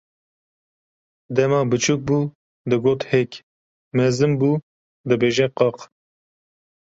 Dema biçûk bû digot hêk, mezin bû dibêje qaq.